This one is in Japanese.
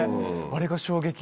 あれが衝撃で。